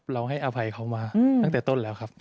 เราให้อภัยเขามาตั้งแต่ต้นแล้วครับ